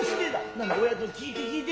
なあ親父どん聞いて聞いて。